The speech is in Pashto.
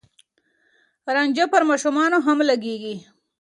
رانجه پر ماشومانو هم لګېږي.